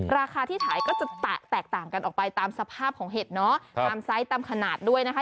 ราคาที่ขายก็จะแตกต่างกันออกไปตามสภาพของเห็ดเนาะตามไซส์ตามขนาดด้วยนะคะ